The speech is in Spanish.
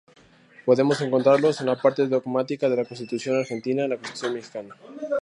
Podemos encontrarlos en la parte Dogmática de la Constitución argentina, la constitución Mexicana.